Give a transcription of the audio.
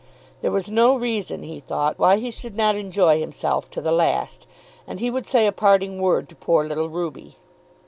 There was no reason, he thought, why he should not enjoy himself to the last, and he would say a parting word to poor little Ruby.